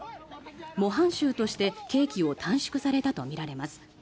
模範囚として刑期を短縮されたとみられています。